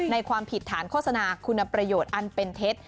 ความผิดฐานโฆษณาคุณประโยชน์อันเป็นเท็จ